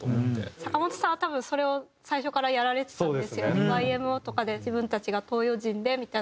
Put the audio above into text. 坂本さんは多分それを最初からやられてたんですよねＹＭＯとかで自分たちが東洋人でみたいなところって。